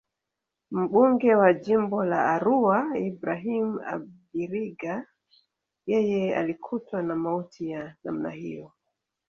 Mbunge wa Jimbo la Arua Ibrahim Abiriga yeye alikutwa na mauti ya namna hiyo